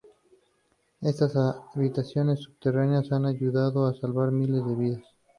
Estas habitaciones subterráneas han ayudado a salvar miles de vidas.